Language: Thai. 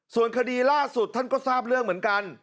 ส่วนคดีล่าสุดท่านก็ทราบเรื่องเหมือนกัน